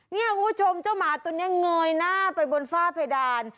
เนี่ยคุณผู้ชมเจ้าหมาตัวเนน่าเง่าไปบนฟ้าเพดาน